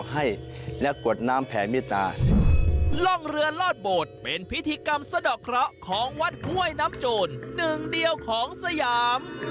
หนึ่งเดียวของสยาม